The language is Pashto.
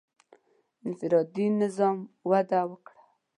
• انفرادي نظام وده وکړه.